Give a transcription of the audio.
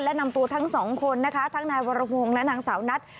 และนำตัวทั้งสองคนนะคะทั้งนายวรพงศ์และนางสาวนัท